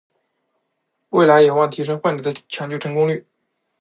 未来有望提升患者抢救成功率